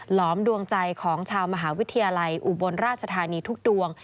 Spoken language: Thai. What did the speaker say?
หลอมดวงใจของชาวมหาวิทยาลัยอุบลราชธานีทุกดวง